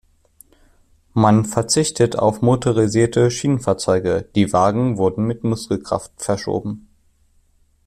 Man verzichtete auf motorisierte Schienenfahrzeuge; die Wagen wurden mit Muskelkraft verschoben.